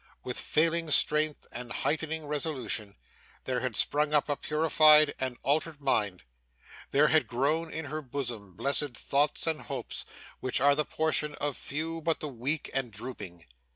With failing strength and heightening resolution, there had sprung up a purified and altered mind; there had grown in her bosom blessed thoughts and hopes, which are the portion of few but the weak and drooping.